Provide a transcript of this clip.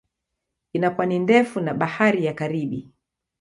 Ina pwani ndefu na Bahari ya Karibi.